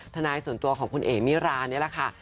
ทนายส่วนตัวของคุณเอ๋มิรานี่แหละค่ะ